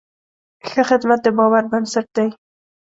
ښه خدمت د باور بنسټ دی.